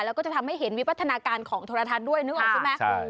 แล้วก็จะทำให้เห็นวิวัฒนาการของโทรทัศน์ด้วยนึกออกใช่ไหม